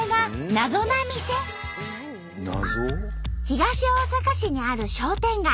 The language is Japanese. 東大阪市にある商店街。